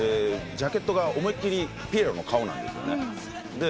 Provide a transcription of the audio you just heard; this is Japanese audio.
ジャケットが思い切りピエロの顔なんですね。